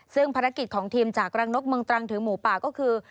ซึ่งภารกิจของทีมจากรังนกเมืองตรังถือหมูป่าก็คือ